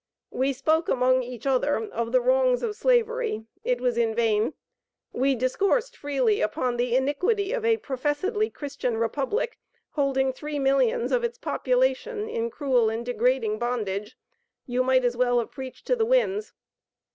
We spoke among each other of the wrongs of Slavery; it was in vain. We discoursed freely upon the iniquity of a professedly Christian Republic holding three millions of its population in cruel and degrading bondage; you might as well have preached to the winds.